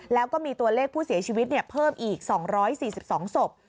แล้วก็มีตัวเลขผู้เสียชีวิตเพิ่มอีก๒๔๒ศพ